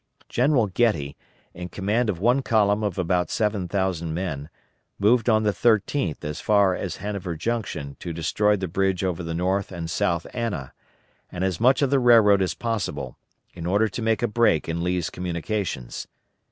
General Getty, in command of one column of about seven thousand men, moved on the 13th as far as Hanover Junction to destroy the bridge over the North and South Anna, and as much of the railroad as possible, in order to make a break in Lee's communications.